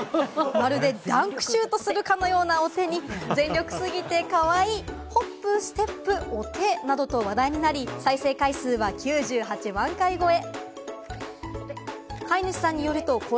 まるでダンクシュートするかのようなお手に、「全力すぎてかわいい」、「ホップステップお手」などと話題になり、再生回数は９８万回超え。